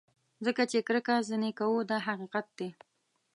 ځکه چې کرکه ځینې کوو دا حقیقت دی.